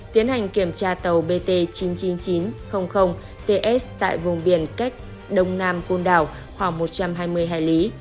tiến hành kiểm tra tàu bt chín mươi chín nghìn chín trăm linh ts tại vùng biển cách đông nam côn đảo khoảng một trăm hai mươi hải lý